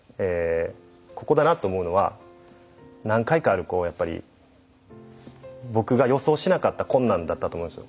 ここだなと思うのは何回かある僕が予想しなかった困難だったと思うんですよ。